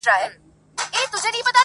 پر تسپو پر عبادت پر خیراتونو!!